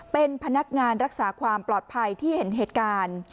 เป็นพนักงานรักษาความปลอดภัยที่เห็นเหตุการณ์